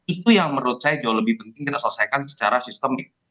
itu yang menurut saya jauh lebih penting kita selesaikan secara sistemik